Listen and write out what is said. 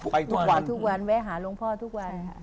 ไปทุกวันเลยเว้หาหลวงพ่อทุกวัน